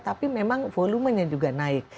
tapi memang volumenya juga naik